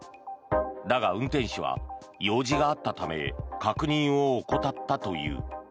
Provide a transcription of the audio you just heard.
だが、運転手は用事があったため確認を怠ったという。